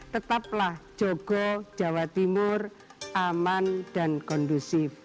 tetaplah jogo jawa timur aman dan kondusif